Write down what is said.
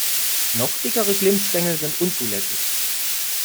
Noch dickere Glimmstängel sind unzulässig.